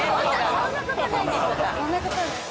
そんな事ないです